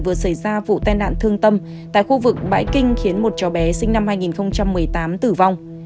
vừa xảy ra vụ tai nạn thương tâm tại khu vực bãi kinh khiến một cháu bé sinh năm hai nghìn một mươi tám tử vong